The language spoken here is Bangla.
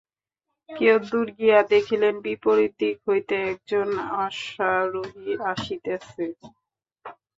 কিয়দ্দূর গিয়া দেখিলেন, বিপরীত দিক হইতে এক জন অশ্বারোহী আসিতেছে।